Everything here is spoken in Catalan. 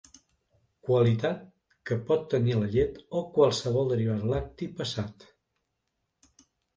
Qualitat que pot tenir la llet o qualsevol derivat lacti passat.